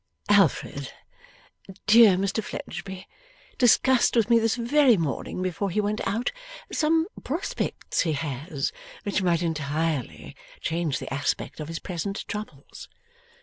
'Alfred, dear Mr Fledgeby, discussed with me this very morning before he went out, some prospects he has, which might entirely change the aspect of his present troubles.